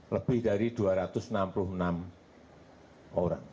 lebih dari dua ratus enam puluh enam orang